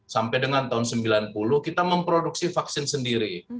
sampai dengan tahun sembilan puluh kita memproduksi vaksin sendiri